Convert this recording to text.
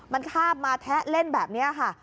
มันข้าบมาแทะเล่นแบบนี้ค่ะ